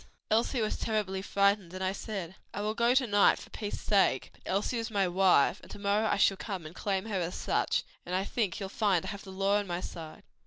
"Elsie was terribly frightened and I said, 'I will go to night for peace sake; but Elsie is my wife, and to morrow I shall come and claim her as such, and I think you'll find I have the law on my side.'